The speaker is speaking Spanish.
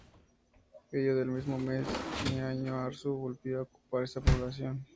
EllO del mismo mes y año Arzú volvió a ocupar esta población.